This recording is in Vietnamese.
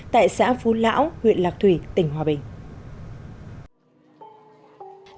tại xã phú lão huyện lạc thủy tỉnh hòa bình